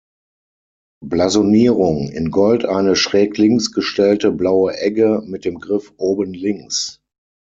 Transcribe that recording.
Blasonierung: In Gold eine schräglinks gestellte blaue Egge mit dem Griff oben links.